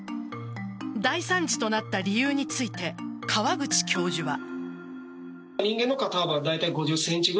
大惨事となった理由について川口教授は。